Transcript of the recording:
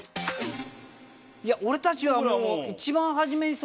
いや俺たちはもう。